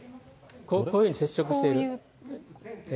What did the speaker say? こういうふうに接触している。